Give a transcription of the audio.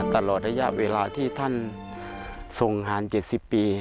ตลอดอาหยาเวลาที่ท่านทรงหางจีดสิบปี